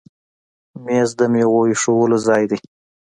مېز د میوو ایښودلو ځای دی.